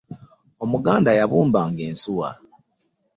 omuganda yabumba nga ensuwa